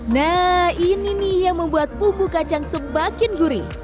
nah ini nih yang membuat bumbu kacang semakin gurih